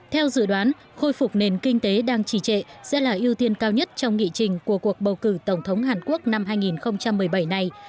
theo dự đoán khôi phục nền kinh tế đang trì trệ sẽ là ưu tiên cao nhất trong nghị trình của cuộc bầu cử tổng thống hàn quốc năm hai nghìn một mươi bảy này